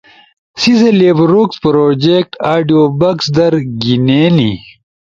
، سی سے لیبروکس پروجیکٹ آڈیوبکس در گھینینی۔